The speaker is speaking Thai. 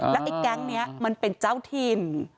แล้วไอ้แก๊งนี้มันเป็นเจ้าถิ่น